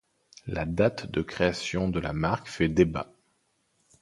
La date de création de la marque fait débat.